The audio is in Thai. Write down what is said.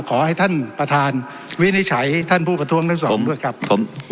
ขอให้ท่านประธานวินิจฉัยท่านผู้ประท้วงทั้งสองด้วยครับผม